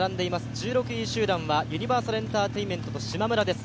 １６位集団はユニバーサルエンターテインメントとしまむらです。